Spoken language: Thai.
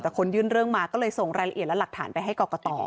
แต่คนยื่นเรื่องมาก็เลยส่งรายละเอียดและหลักฐานไปให้กรกต